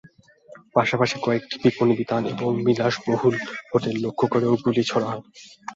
পাশাপাশি কয়েকটি বিপণিবিতান এবং বিলাসবহুল হোটেল লক্ষ্য করেও গুলি ছোড়া হয়।